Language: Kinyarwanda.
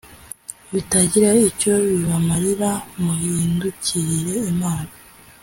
bitagira icyo bibamarira muhindukirire Imana